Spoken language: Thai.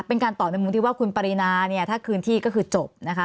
เป็นการตอบในมุมที่ว่าคุณปรินาเนี่ยถ้าคืนที่ก็คือจบนะคะ